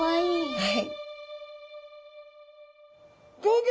はい。